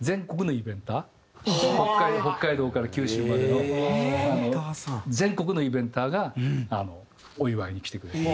北海道から九州までの全国のイベンターがお祝いに来てくれて。